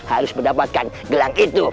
harus mendapatkan gelang itu